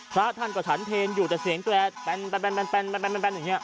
พระท่านก็ฉันเพลอยู่แต่เสียงแกรนอย่างนี้